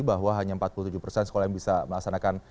bahwa hanya empat puluh tujuh persen sekolah yang bisa melaksanakan